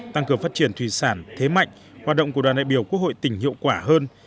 tăng cường phát triển thủy sản thế mạnh hoạt động của đoàn đại biểu quốc hội tỉnh hiệu quả hơn